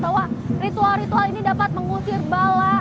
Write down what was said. bahwa ritual ritual ini dapat mengusir bala